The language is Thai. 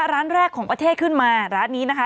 ร้านแรกของประเทศขึ้นมาร้านนี้นะคะ